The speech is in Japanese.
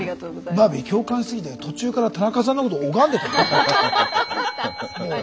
バービー共感しすぎて途中から田中さんのこと拝んでたよ。